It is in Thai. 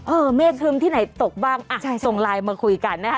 เมฆครึมที่ไหนตกบ้างอ่ะส่งไลน์มาคุยกันนะคะ